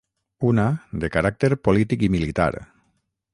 Una, de caràcter polític i militar.